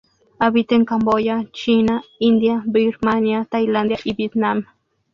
Habita en Camboya, China, India, Birmania, Tailandia y Vietnam.